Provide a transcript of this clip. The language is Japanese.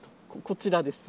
こちらです。